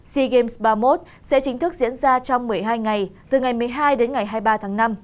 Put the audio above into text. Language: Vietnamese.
sea games ba mươi một sẽ chính thức diễn ra trong một mươi hai ngày từ ngày một mươi hai đến ngày hai mươi ba tháng năm